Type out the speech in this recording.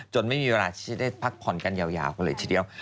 ไม่มีเวลาที่จะได้พักผ่อนกันยาวกันเลยทีเดียว